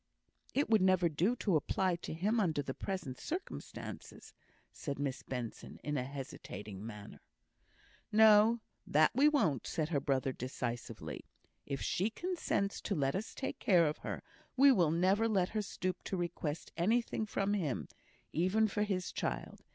"It would never do to apply to him under the present circumstances," said Miss Benson, in a hesitating manner. "No, that we won't," said her brother, decisively. "If she consents to let us take care of her, we will never let her stoop to request anything from him, even for his child.